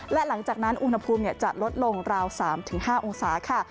และหลังจากนั้นอุณหภูมิจะลดลงราว๓๕องศาค่ะ